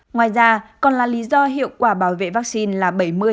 ngoài ra còn là lý do hiệu quả bảo vệ vaccine là bảy mươi chín mươi